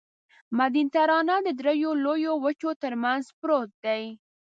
مدیترانه د دریو لویو وچو ترمنځ پروت دی.